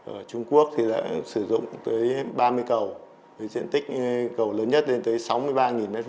ở trung quốc thì đã sử dụng tới ba mươi cầu với diện tích cầu lớn nhất lên tới sáu mươi ba m hai